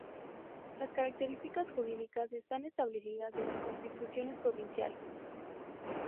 Las características jurídicas están establecidas en las constituciones provinciales.